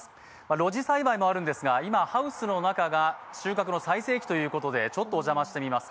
露地栽培もあるんですが、今、ハウスの中が収穫の最盛期ということでちょっとお邪魔してみます。